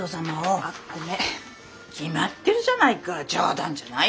決まってるじゃないか冗談じゃないよ。